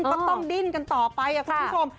ก็ต้องดิ้นกันต่อไปคุณผู้ชม